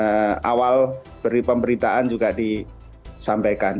dari awal beri pemberitaan juga disampaikan